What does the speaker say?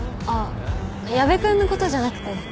あっ矢部君のことじゃなくて。